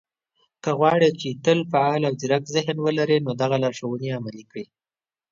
که غواړئ، چې تل فعال او ځيرک ذهن ولرئ، نو دغه لارښوونې عملي کړئ